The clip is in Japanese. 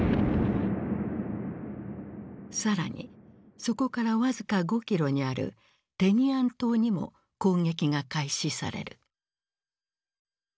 更にそこから僅か５キロにあるテニアン島にも攻撃が開始される。